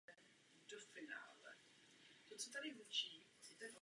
Všechny vzácné plyny se vyskytují ve vzduchu.